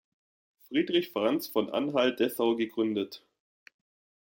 Friedrich Franz von Anhalt-Dessau gegründet.